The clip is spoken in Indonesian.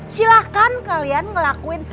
silahkan kalian ngelakuin